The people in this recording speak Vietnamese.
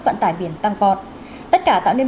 vận tải biển tăng bọt tất cả tạo nên